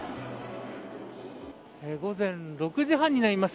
午前６時半になりました。